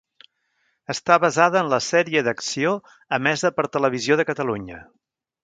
Està basada en la sèrie d'Acció emesa per Televisió de Catalunya.